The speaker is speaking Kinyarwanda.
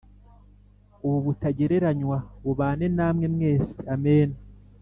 Ubuntu butagereranywa bubane namwe mwese amen